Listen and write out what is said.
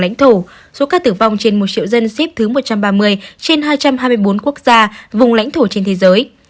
lãnh thổ số ca tử vong trên một triệu dân xếp thứ một trăm ba mươi trên hai trăm hai mươi bốn quốc gia vùng lãnh thổ trên thế giới